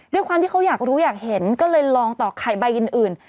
ด้วยความที่เขาอยากรู้อยากเห็นก็เลยลองต่อไข่ใบอื่น